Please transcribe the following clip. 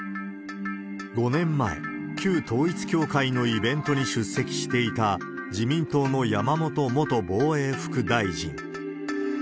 ５年前、旧統一教会のイベントに出席していた、自民党の山本元防衛副大臣。